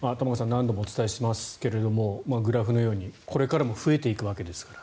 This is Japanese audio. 何度もお伝えしてますがグラフのようにこれからも増えていく。